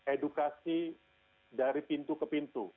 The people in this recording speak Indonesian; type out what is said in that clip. edukasi dari pintu ke pintu